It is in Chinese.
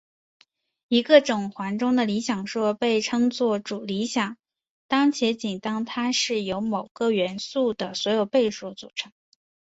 一个整环中的理想被称作主理想当且仅当它是由某个元素的所有倍数组成。